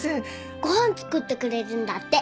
ご飯作ってくれるんだって。